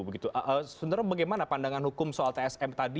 sebenarnya bagaimana pandangan hukum soal tsm tadi